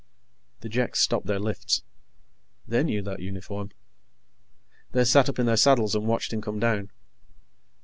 The Jeks stopped their lifts. They knew that uniform. They sat up in their saddles and watched him come down.